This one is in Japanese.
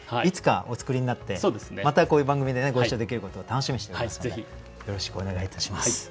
いつかお作りになってまたこういう番組でねご一緒できることを楽しみにしております。